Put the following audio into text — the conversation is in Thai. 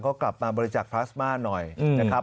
ก็กลับมาบริจักษ์พลาสมาหน่อยนะครับ